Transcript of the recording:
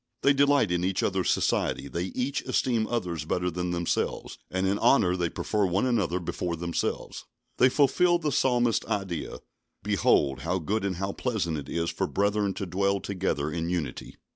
They delight in each other's society; they each esteem others better than themselves, and in honour they prefer one another before themselves. They fulfil the Psalmist's ideal: "Behold, how good and how pleasant it is for brethren to dwell together in unity."